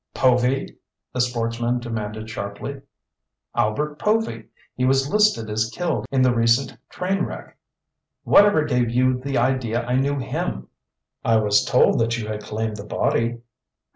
"Povy?" the sportsman demanded sharply. "Albert Povy. He was listed as killed in the recent train wreck." "Whatever gave you the idea I knew him?" "I was told that you had claimed the body."